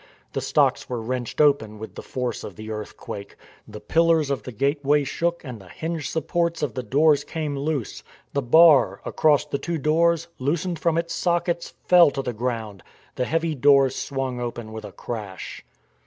The stocks were wrenched open with the force of the earthquake. The pillars of the gateway shook and the hinge supports of the doors came loose. The bar across the two doors, loosened from its sockets, fell to the ground. The heavy doors swung open with a crash.